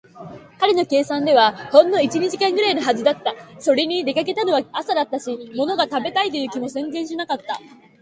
彼の計算ではほんの一、二時間ぐらいのはずだった。それに、出かけたのは朝だったし、ものが食べたいという気も全然しなかった。